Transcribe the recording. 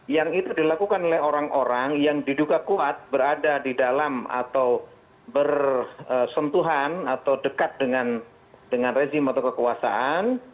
yang itu dilakukan oleh orang orang yang diduga kuat berada di dalam atau bersentuhan atau dekat dengan rezim atau kekuasaan